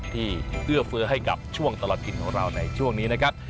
เอื้อเฟื้อให้กับช่วงตลอดกินของเราในช่วงนี้นะครับ